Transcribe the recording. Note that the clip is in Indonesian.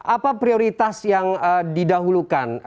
apa prioritas yang didahulukan